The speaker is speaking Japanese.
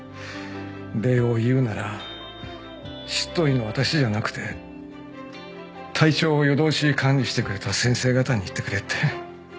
「礼を言うなら執刀医の私じゃなくて体調を夜通し管理してくれた先生方に言ってくれ」って。